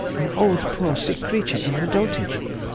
—an old poor sick creature in her dotage....